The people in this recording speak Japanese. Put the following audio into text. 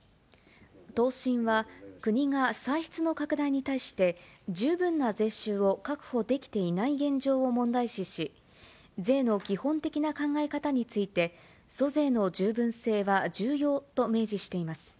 答申は、国が歳出の拡大に対して、十分な税収を確保できていない現状を問題視し、税の基本的な考え方について、租税の十分性は重要と明示しています。